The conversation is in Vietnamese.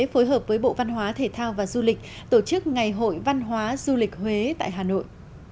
phối hợp với bộ văn hóa thể thao và du lịch tổ chức ngày hội văn hóa du lịch huế tại hà nội